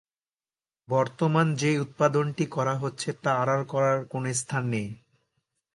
বর্তমান যে উৎপাদনটি করা হচ্ছে তা আড়াল করার কোন স্থান নেই।